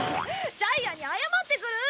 ジャイアンに謝ってくる！